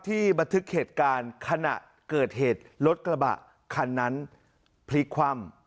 บันทึกเหตุการณ์ขณะเกิดเหตุรถกระบะคันนั้นพลิกคว่ำ